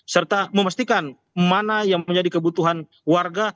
serta memastikan mana yang menjadi kebutuhan warga